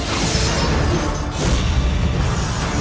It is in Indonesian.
jangan lupa untuk berhenti